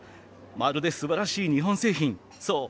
まるで素晴らしい日本製品そう